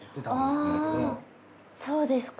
あぁそうですか。